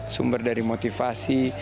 sumber dari motivasi